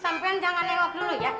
eh sampean jangan nengok dulu ya